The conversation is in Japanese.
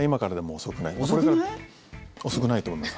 遅くない？遅くないと思います。